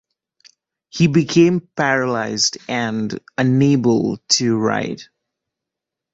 He became paralyzed and unable to write.